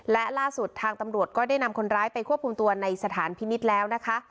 และล่าสุดทางตำรวจก็ได้นำคนร้ายไปควบคุมตัวในสถานพินิษฐ์แล้วนะคะ